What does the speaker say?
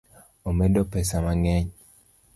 Omedo pesa mang'eny